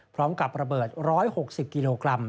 พร้อมกับระเบิด๑๖๐กิโลกรัม